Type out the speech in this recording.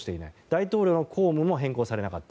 大統領の公務も変更されなかった。